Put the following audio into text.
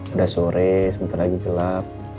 udah sore sebentar lagi gelap